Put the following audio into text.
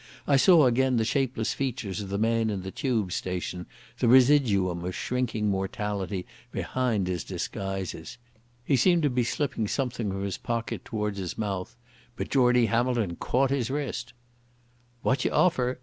I saw again the shapeless features of the man in the Tube station, the residuum of shrinking mortality behind his disguises. He seemed to be slipping something from his pocket towards his mouth, but Geordie Hamilton caught his wrist. "Wad ye offer?"